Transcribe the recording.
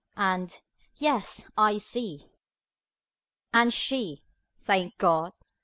and "Yes, I see" And she thank God!